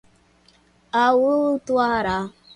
autuará